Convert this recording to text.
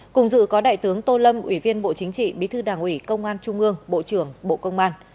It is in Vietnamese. cùng dự có đại tướng tô lâm ủy viên bộ chính trị bí thư đảng ủy công an trung ương bộ trưởng bộ công an